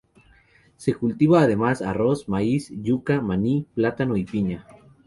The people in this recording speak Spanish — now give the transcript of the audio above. Se cultiva además arroz, maíz, yuca, maní, plátano y piña.